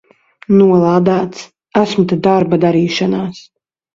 Nolādēts! Esmu te darba darīšanās!